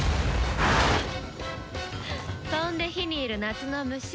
飛んで火に入る夏の虫。